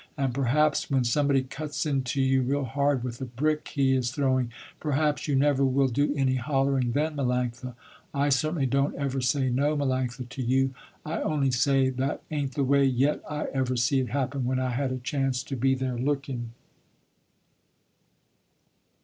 And perhaps when somebody cuts into you real hard, with a brick he is throwing, perhaps you never will do any hollering then, Melanctha. I certainly don't ever say no, Melanctha, to you, I only say that ain't the way yet I ever see it happen when I had a chance to be there looking."